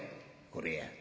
「これや。